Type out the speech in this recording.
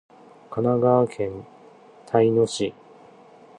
神奈川県秦野市